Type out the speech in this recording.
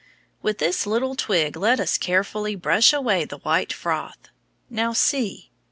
With this little twig let us carefully brush away the white froth. Now see.